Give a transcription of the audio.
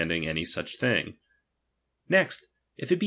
^ ■v such things. Next, if it be^ .